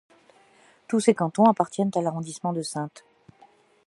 Tous ces cantons appartiennent à l'arrondissement de Saintes.